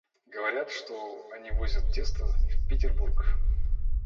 Говорят, что они возят тесто в Петербург.